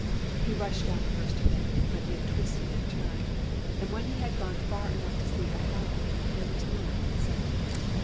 He rushed down the first of them, but it twisted and turned, and when he had gone far enough to see ahead there was no one in sight.